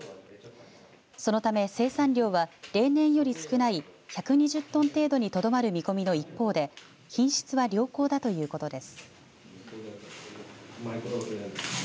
そのため生産量は例年より少ない１２０トン程度にとどまる見込みの一方で品質は良好だということです。